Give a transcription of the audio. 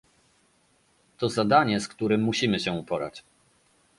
To zadanie, z którym musimy się uporać